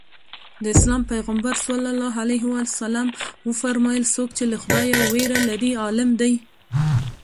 د اسلام پیغمبر ص وفرمایل څوک چې له خدایه وېره لري عالم دی.